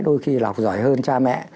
đôi khi là học giỏi hơn cha mẹ